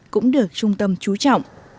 cũng được trung tâm trú trọng